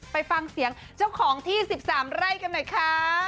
ไปฟังเสียงเจ้าของที่๑๓ไร่กันหน่อยค่ะ